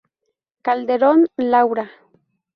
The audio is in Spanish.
Calderón, Laura.